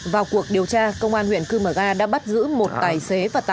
vào cuộc điều tra công an huyện cư mở ga đã bắt giữ một tài xế